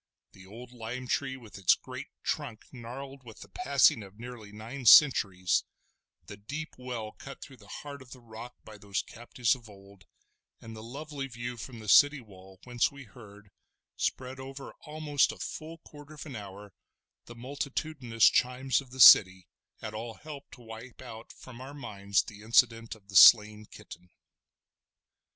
The old lime tree with its great trunk gnarled with the passing of nearly nine centuries, the deep well cut through the heart of the rock by those captives of old, and the lovely view from the city wall whence we heard, spread over almost a full quarter of an hour, the multitudinous chimes of the city, had all helped to wipe out from our minds the incident of the slain kitten.